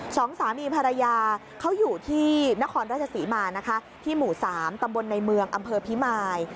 สองสามีภรรยาเขาอยู่ที่นครราชศรีมานะคะที่หมู่สามตำบลในเมืองอำเภอพิมาย